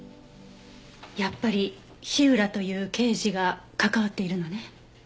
やっぱり火浦という刑事が関わっているのね？